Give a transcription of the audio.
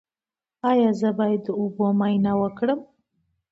ایا زه باید د اوبو معاینه وکړم؟